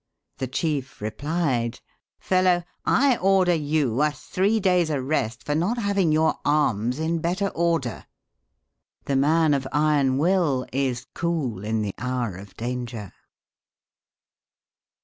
The chief replied: "Fellow, I order you a three days' arrest for not having your arms in better order." The man of iron will is cool in the hour of danger.